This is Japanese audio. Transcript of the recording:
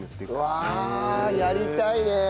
うわやりたいね。